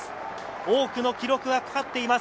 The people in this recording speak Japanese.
多くの記録がかかっています。